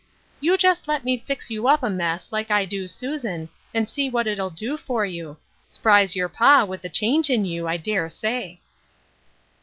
You jest let me fix you up a mess, like I do Susan, and see what it'U do for you. S'prise your pa with the change in you, I dare say."